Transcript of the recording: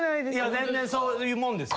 全然そういうもんです。